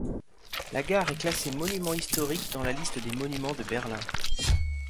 La gare est classée monument historique dans la liste des monuments de Berlin.